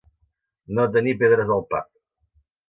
No tenir pedres al pap.